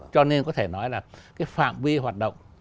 cho nên có thể nói là cái phạm vi hoạt động